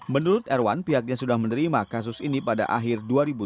menurut erwan pihaknya sudah menerima kasus ini pada akhir dua ribu tujuh belas